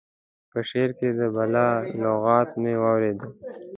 په شعر کې د بالا لغت مې واورېد.